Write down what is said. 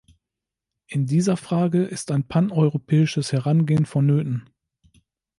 In dieser Frage ist ein paneuropäisches Herangehen vonnöten.